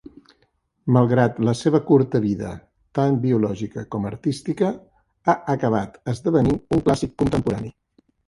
Malgrat la seva curta vida, tant biològica com artística, ha acabat esdevenint un clàssic contemporani.